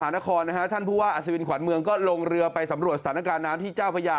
นครนะฮะท่านผู้ว่าอัศวินขวัญเมืองก็ลงเรือไปสำรวจสถานการณ์น้ำที่เจ้าพญา